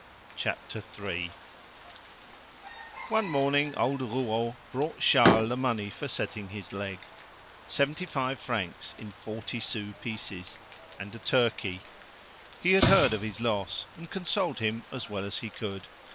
Chapter Three One morning old Rouault brought Charles the money for setting his leg seventy five francs in forty sou pieces, and a turkey. He had heard of his loss, and consoled him as well as he could.